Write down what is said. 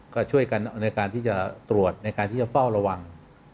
ก็ช่วยกันในการที่จะตรวจในการที่จะเฝ้าระวัง